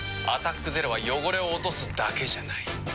「アタックＺＥＲＯ」は汚れを落とすだけじゃない。